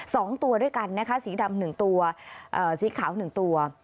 สองตัวด้วยกันนะคะสีดำหนึ่งตัวเอ่อสีขาวหนึ่งตัว